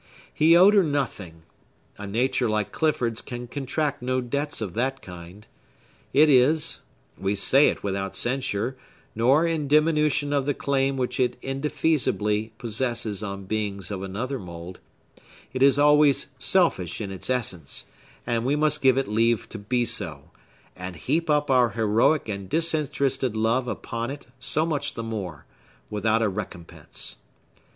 He owed her nothing. A nature like Clifford's can contract no debts of that kind. It is—we say it without censure, nor in diminution of the claim which it indefeasibly possesses on beings of another mould—it is always selfish in its essence; and we must give it leave to be so, and heap up our heroic and disinterested love upon it so much the more, without a recompense.